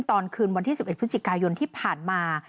ตอนคืนวันที่๑๑พฤศจิกายนที่ผ่านมา